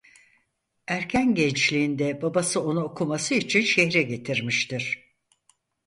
Erken gençliğinde babası onu okuması için şehre getirmiştir.